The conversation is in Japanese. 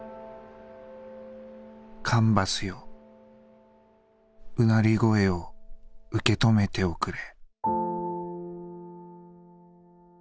「カンバスよ唸り声を受け止めておくれ」。